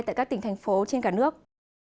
tại các tỉnh thành phố trên cả nước